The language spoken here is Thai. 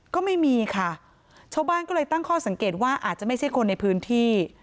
ก็ไม่มีค่ะชาวบ้านก็เลยตั้งข้อสังเกตว่าอาจจะไม่ใช่คนในพื้นที่